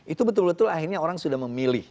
itu betul betul akhirnya orang sudah memilih